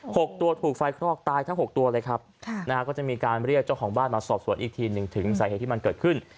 หกตัวถูกไฟคลอกตายทั้งหกตัวเลยครับค่ะนะฮะก็จะมีการเรียกเจ้าของบ้านมาสอบสวนอีกทีหนึ่งถึงสาเหตุที่มันเกิดขึ้น